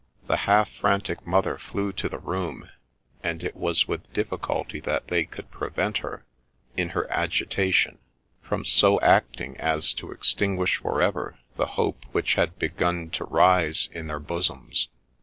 The half frantic mother flew to the room, and it was with difficulty that they could prevent her, in her agitation, from so acting as to extinguish for ever the hope which had begun to rise in their bosoms.